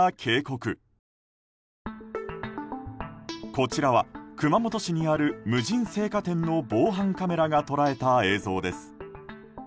こちらは熊本にある無人青果店の防犯カメラが捉えた映像です。